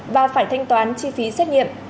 và phải thanh toán chi phí xét nghiệm